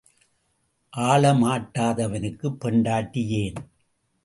ஆள மாட்டாதவனுக்குப் பெண்டாட்டி ஏன்?